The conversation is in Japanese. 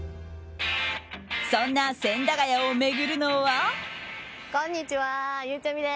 そんな千駄ヶ谷を巡るのは。